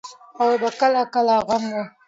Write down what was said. اول به کله کله غم وو.